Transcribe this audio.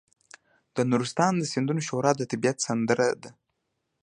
د نورستان د سیندونو شور د طبیعت سندره ده.